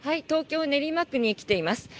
東京・練馬区に来ています。